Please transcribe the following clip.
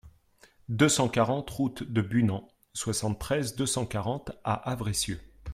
deux cent quarante route de Bunand, soixante-treize, deux cent quarante à Avressieux